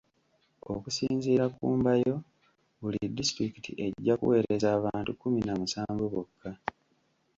Okusinziira ku Mbayo buli disitulikiti ejja kuweereza abantu kumi na musanvu bokka .